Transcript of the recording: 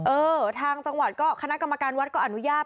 เออทางจังหวัดก็คณะกรรมการวัดก็อนุญาต